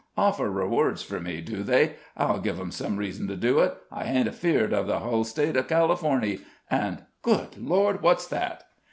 Offer rewards fur me, do they? I'll give 'em some reason to do it. I hain't afeard of the hull State of Californy, an' Good Lord! what's that?"